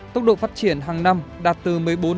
tốc độ phát triển hàng năm đạt từ một mươi bốn một mươi sáu